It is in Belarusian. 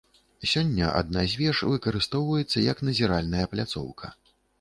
Сёння адна з веж выкарыстоўваецца як назіральная пляцоўка.